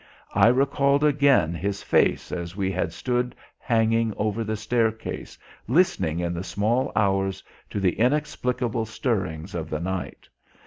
I recalled again his face as we had stood hanging over the staircase, listening in the small hours to the inexplicable stirrings of the night.